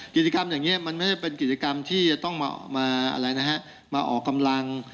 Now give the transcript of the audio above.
กิจกรรมอย่างนี้มันไม่ได้เป็นกิจกรรมที่จะต้องมาอะไรนะฮะมาออกกำลัง